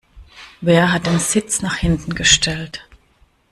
Wer hat den Sitz nach hinten gestellt?